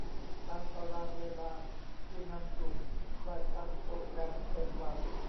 ตามตารางเวลาผู้นำกลุ่มได้ตั้งโปรแกรมเต็มวัน